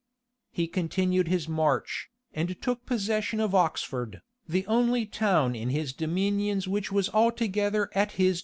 He continued his march, and took possession of Oxford, the only town in his dominions which was altogether at his devotion.